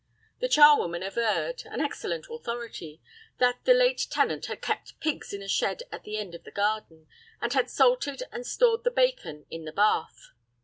The charwoman averred—an excellent authority—that the late tenant had kept pigs in a shed at the end of the garden, and had salted and stored the bacon in the bath.